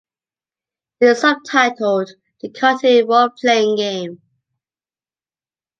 It is subtitled "The Cartoon Roleplaying Game".